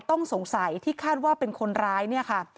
ต้องสงสัยที่คาดว่าเป็นคนร้ายเนี่ยค่ะ